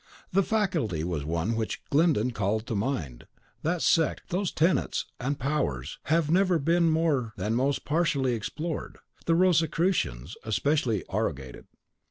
This faculty was one which Glyndon called to mind, that sect, whose tenets and powers have never been more than most partially explored, the Rosicrucians, especially arrogated.